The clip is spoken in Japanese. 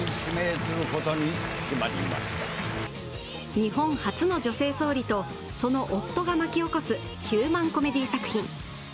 日本初の女性総理とその夫が巻き起こすヒューマンコメディー作品。